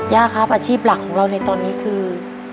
ย่าครับอาชีพหลักของเราในตอนนี้คือ